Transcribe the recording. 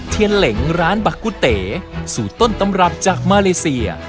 เหล็งร้านบะกุเต๋สูตรต้นตำรับจากมาเลเซีย